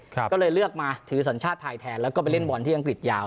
ก็เลยเลือกมาถือสัญชาติไทยแทนแล้วก็ไปเล่นบอลที่อังกฤษยาว